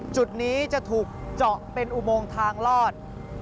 จุดนี้จะถูกเจาะเป็นอุโมงทางลอด